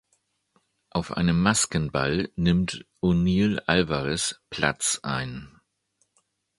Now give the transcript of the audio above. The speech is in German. Auf einem Maskenball nimmt O’Neal Alvarez’ Platz ein.